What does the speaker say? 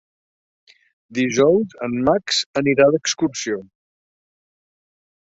Dijous en Max anirà d'excursió.